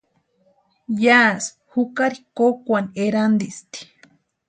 Yási jukari kókwani erantisti.